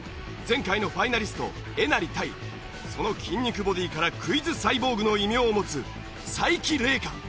前回のファイナリストえなり対その筋肉ボディーからクイズサイボーグの異名を持つ才木玲佳。